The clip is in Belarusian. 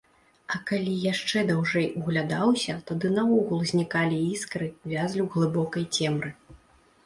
А калі яшчэ даўжэй углядаўся, тады наогул знікалі іскры, вязлі ў глыбокай цемры.